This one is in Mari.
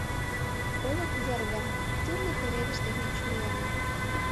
Олык ужарга, тӱрлӧ пеледыш дене чурийлана.